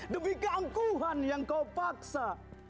demi keangkuhan yang kau paksa